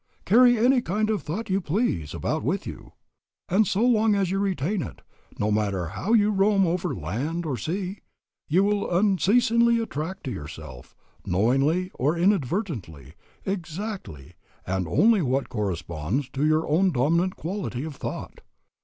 ... Carry any kind of thought you please about with you, and so long as you retain it, no matter how you roam over land or sea, you will unceasingly attract to yourself, knowingly or inadvertently, exactly and only what corresponds to your own dominant quality of thought.